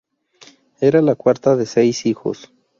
Era la cuarta de seis hijos.